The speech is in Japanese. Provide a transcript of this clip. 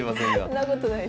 そんなことない。